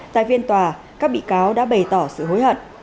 tại phiên tòa các bị cáo đã bày tỏ sự hối hận